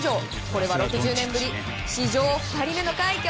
これは６０年ぶり史上２人目の快挙。